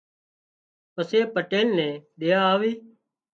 پسي پٽيل نين ۮيا آوي